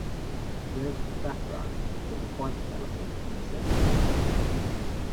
Red background with a White elephant in the center.